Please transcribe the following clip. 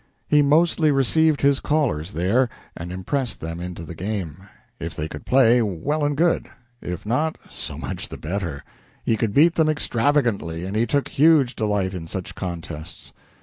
He mostly received his callers there, and impressed them into the game. If they could play, well and good. If not, so much the better; he could beat them extravagantly, and he took huge delight in such contests.